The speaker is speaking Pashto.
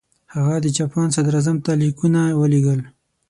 هغه د جاپان صدراعظم ته لیکونه ولېږل.